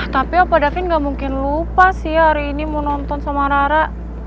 tapi aku davin gak mungkin lupa sih hari ini mau nonton sama rara